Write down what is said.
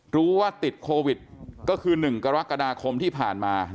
รู้ว่าติดโควิดก็คือ๑กรกฎาคมที่ผ่านมา